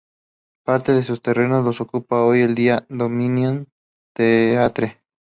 Parte de sus terrenos los ocupa hoy en día el Dominion Theatre.